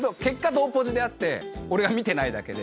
同ポジであって俺が見てないだけで。